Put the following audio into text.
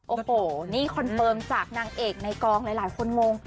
โอ้โหนี่คอนเฟิร์มจากนางเอกในกองหลายคนงง